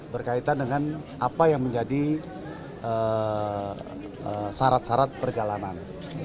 berkaitan dengan apa yang menjadi syarat syarat perjalanan